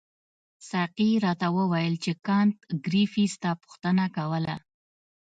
ساقي راته وویل چې کانت ګریفي ستا پوښتنه کوله.